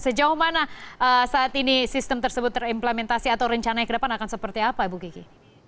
sejauh mana saat ini sistem tersebut terimplementasi atau rencana yang kedepan akan seperti apa bu giki